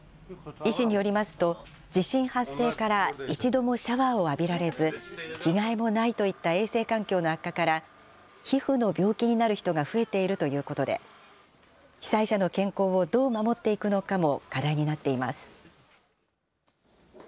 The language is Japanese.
医師によりますと、地震発生から一度もシャワーを浴びられず、着替えもないといった衛生環境の悪化から、皮膚の病気になる人が増えているということで、被災者の健康をどう守っていくのかも課題になっています。